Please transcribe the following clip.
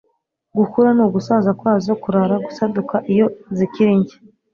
Gukura ni Gusaza kwazo Kurara Gusaduka iyo zikiri nshya